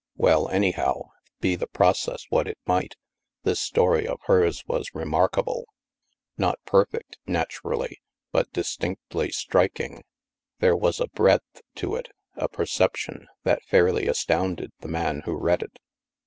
Well, anyhow, be the process what it might, this story of hers was remarkable. Not perfect, natu rally, but distinctly striking. There was a breadth to it — a perception — that fairly astounded the man who read it.